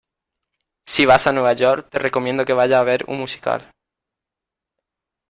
Si vas a Nueva York te recomiendo que vayas a ver un musical.